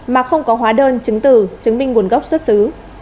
mà không có hóa đơn chứng từ chứng minh nguồn gốc xuất xứ